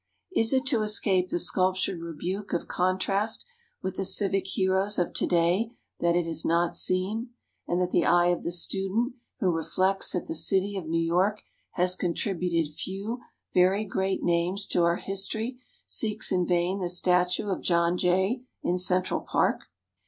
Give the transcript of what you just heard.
Is it to escape the sculptured rebuke of contrast with the civic heroes of to day that it is not seen, and that the eye of the student who reflects that the city of New York has contributed few very great names to our history seeks in vain the statue of John Jay in Central Park?